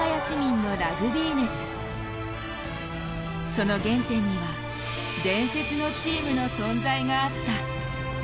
その原点には伝説のチームの存在があった。